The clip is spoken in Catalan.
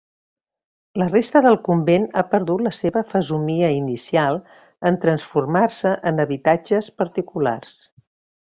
La resta del convent ha perdut la seva fesomia inicial en transformar-se en habitatges particulars.